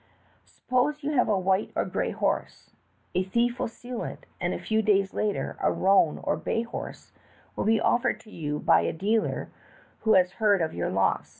"Suppose you have a white or gray horse. A thief will steal it, and a few days later a roan or bay horse will be offered 3^011 by a dealer who has heard of your loss.